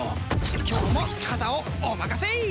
今日も肩をお任せ！